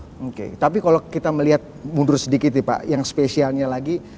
oke tapi kalau kita melihat mundur sedikit nih pak yang spesialnya lagi